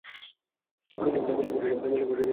মুসলিম পুরুষের ইবাদাতগাহ হল তার গৃহ।